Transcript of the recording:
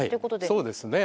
そうですね。